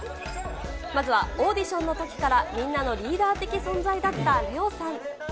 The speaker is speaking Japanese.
まずはオーディションのときからみんなのリーダー的存在だったレオさん。